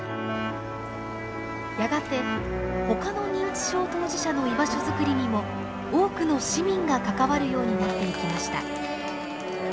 やがてほかの認知症当事者の居場所づくりにも多くの市民が関わるようになっていきました。